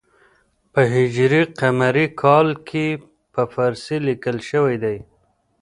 په ه ق کال کې په پارسي لیکل شوی دی.